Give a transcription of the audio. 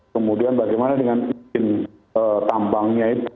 kemudian bagaimana dengan izin tambangnya itu